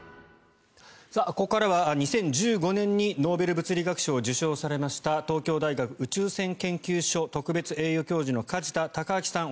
ここからは２０１５年にノーベル物理学賞を受賞されました東京大学宇宙線研究所特別栄誉教授の梶田隆章さん